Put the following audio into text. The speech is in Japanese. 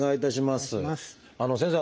先生。